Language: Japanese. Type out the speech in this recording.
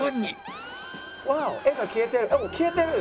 画が消えてる。